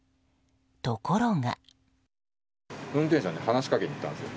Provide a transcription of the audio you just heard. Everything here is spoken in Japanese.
ところが。